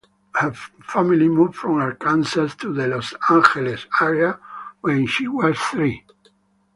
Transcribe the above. Her family moved from Arkansas to the Los Angeles area when she was three.